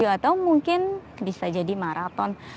atau mungkin bisa jadi maraton